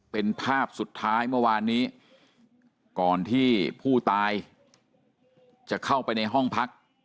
เป็นภาพสุดท้ายเมื่อวานนี้ก่อนที่ผู้ตายจะเข้าไปในห้องพัก